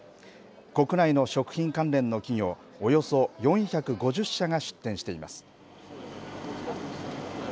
国内の食品関連の企業、およそ４５０社が出展しています。